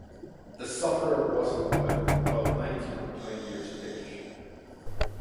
The sufferer was a woman, about nineteen or twenty years of age.